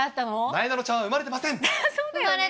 なえなのちゃんは生まれてまそうだよね。